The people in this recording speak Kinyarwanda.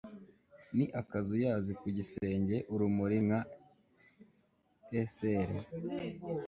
Ni akazuyazi Ku gisenge urumuri nka ether